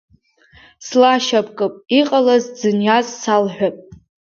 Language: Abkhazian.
Слашьапкып, иҟалаз, дзыниаз салҳәап…